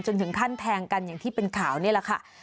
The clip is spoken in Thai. ถึงขั้นแทงกันอย่างที่เป็นข่าวนี่แหละค่ะ